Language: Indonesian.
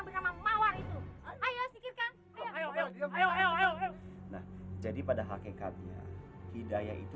betul saudara saudara kita harus ikirkan perempuan yang bernama mawar itu